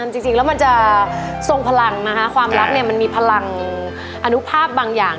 จริงแล้วมันจะทรงพลังนะคะความรักเนี่ยมันมีพลังอนุภาพบางอย่าง